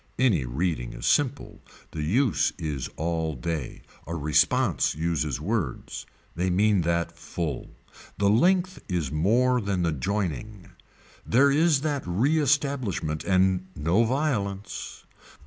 Any reading is simple. The use is all day. A response uses words. They mean that full. The length is more than the joining. There is that reestablishment and no violence.